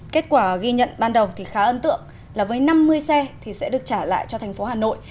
kết quả ghi nhận ban đầu thì khá ấn tượng là với năm mươi xe thì sẽ được trả lại cho thành phố hà nội